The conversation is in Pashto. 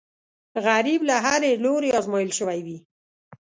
غریب له هرې لورې ازمېیل شوی وي